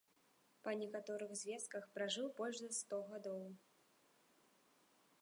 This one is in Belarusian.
Па некаторых звестках пражыў больш за сто гадоў.